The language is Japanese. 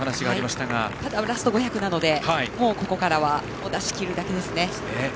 ただ、ラストなのでここからは出し切るだけですね。